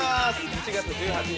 ７月１８日